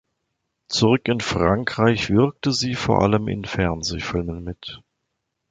Zurück in Frankreich wirkte sie vor allem in Fernsehfilmen mit.